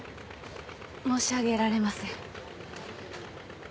申し上げられません。